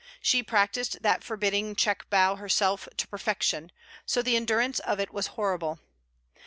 She practised that forbidding checkbow herself to perfection, so the endurance of it was horrible.